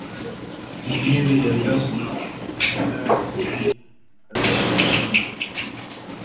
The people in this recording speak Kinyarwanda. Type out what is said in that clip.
ku ntebe ya dawudi n’ubwami bwe; azabishinga